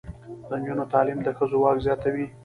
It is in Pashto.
د نجونو تعلیم د ښځو واک زیاتوي.